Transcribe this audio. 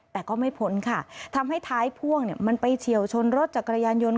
แต่ก็ไม่พ้นค่ะทำให้ท้ายพ่วงมันไปเฉียวชนรถจักรยานยนต์